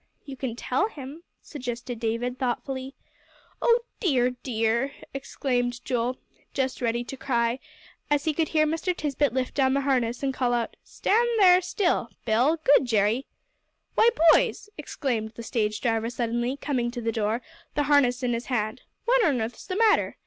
"You can tell him," suggested David, thoughtfully. "O dear, dear!" exclaimed Joel, just ready to cry, as he could hear Mr. Tisbett lift down the harness, and call out, "Stand still, there, Bill good Jerry." "Why, boys!" exclaimed the stage driver suddenly, coming to the door, the harness in his hand. "What on earth's the matter?